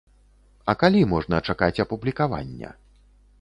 А калі можна чакаць апублікавання?